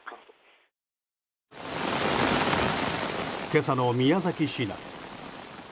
今朝の宮崎市内。